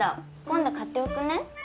今度買っておくね。